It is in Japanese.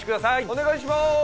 お願いします！